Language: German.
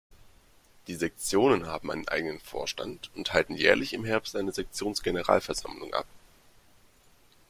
Die Sektionen haben einen eigenen Vorstand und halten jährlich im Herbst eine Sektions-Generalversammlung ab.